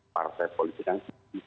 partai politik yang